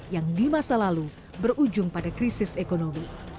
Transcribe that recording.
yang di masa lalu berujung pada krisis ekonomi